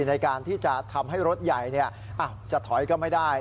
ในการที่จะทำให้รถใหญ่จะถอยก็ไม่ได้